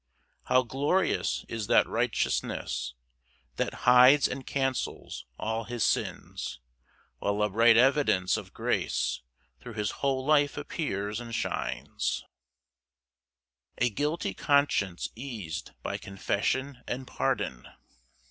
4 How glorious is that righteousness That hides and cancels all his sins! While a bright evidence of grace Thro' his whole life appears and shines. Psalm 32:4. Second Part. L. M. A guilty conscience eased by confession and pardon.